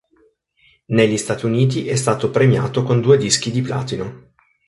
Negli Stati Uniti è stato premiato con due dischi di platino.